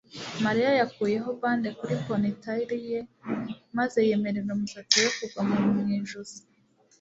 Mariya yakuyeho bande kuri ponytail ye maze yemerera umusatsi we kugwa mu ijosi